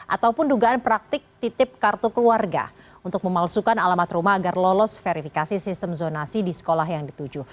ataupun dugaan praktik titip kartu keluarga untuk memalsukan alamat rumah agar lolos verifikasi sistem zonasi di sekolah yang dituju